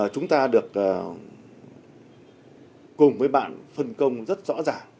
chúng ta được cùng với bạn phân công rất rõ ràng